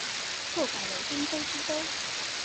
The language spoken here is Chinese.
后改为滨州知州。